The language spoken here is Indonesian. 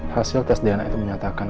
hasil tes dna itu menyatakan